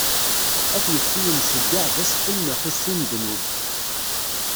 Ad t-ifk i yimceyyeɛ d asfel n uḥussu n ddnub.